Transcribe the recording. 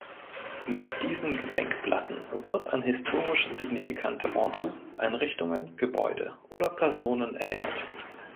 Mit diesen Gedenkplatten wird an historisch signifikante Orte, Einrichtungen, Gebäude oder Personen erinnert.